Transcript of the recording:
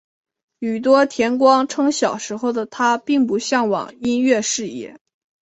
宇多田光称小时候的她并不向往音乐事业。